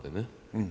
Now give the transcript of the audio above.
うん。